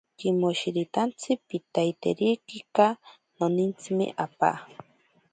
Kimoshiritantsi piitaiterikika, nonintsime apaa.